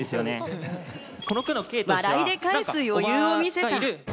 笑いで返す余裕を見せた。